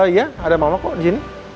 iya ada mama kok disini